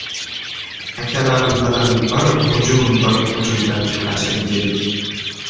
Akalarim bilan bir g‘ujum-bir g‘ujumdan talashib yedik.